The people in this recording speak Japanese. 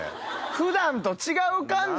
普段と違う感じでね